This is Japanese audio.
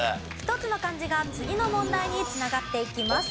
１つの漢字が次の問題に繋がっていきます。